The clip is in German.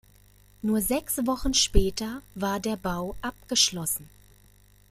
Nur sechs Wochen später war der Bau abgeschlossen.